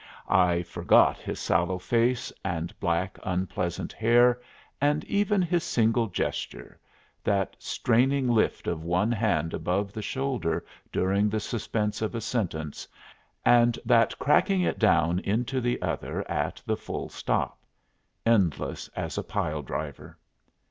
I forgot his sallow face and black, unpleasant hair, and even his single gesture that straining lift of one hand above the shoulder during the suspense of a sentence and that cracking it down into the other at the full stop, endless as a pile driver.